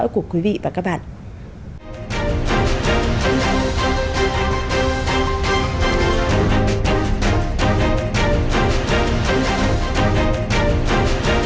hẹn gặp lại quý vị và các bạn trong những chương trình lần sau